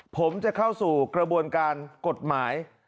ผมจะเข้าสู่กระบวนการกฎหมาย